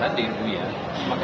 tapi kemudian saja